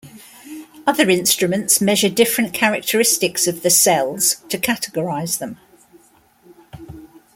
Other instruments measure different characteristics of the cells to categorize them.